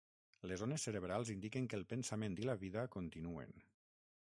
Les ones cerebrals indiquen que el pensament i la vida continuen.